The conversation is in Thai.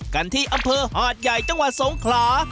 กันที่อำเภอหาดใหญ่จังหวัดสงขลา